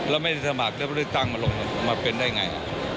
เราไม่ได้สมัครเลือกตั้งมาเป็นได้ไง